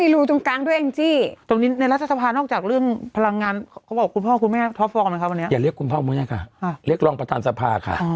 เรียกคุณพ่อมึงเนี่ยค่ะเรียกรองประตานทรภาค่ะ